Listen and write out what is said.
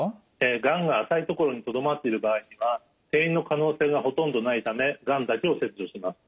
がんが浅い所にとどまっている場合には転移の可能性がほとんどないためがんだけを切除します。